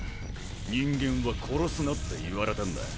人間は殺すなって言われてんだ。